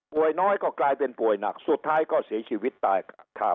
น้อยก็กลายเป็นป่วยหนักสุดท้ายก็เสียชีวิตตายค่ะ